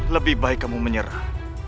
lebih baik kamu menyerah